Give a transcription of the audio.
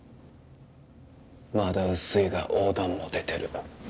まだ薄いが黄疸も出てる